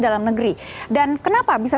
dalam negeri dan kenapa bisa